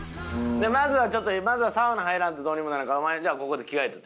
まずはちょっとまずはサウナ入らんとどうにもならんからお前じゃあここで着替えとって。